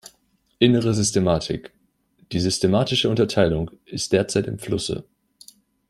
Innere Systematik: Die systematische Unterteilung ist derzeit im Flusse.